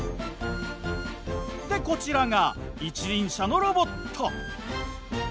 でこちらが一輪車のロボット。